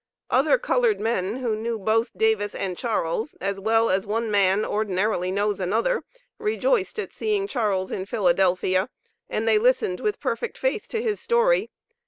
Other colored men who knew both Davis and Charles, as well as one man ordinarily knows another, rejoiced at seeing Charles in Philadelphia, and they listened with perfect faith to his story.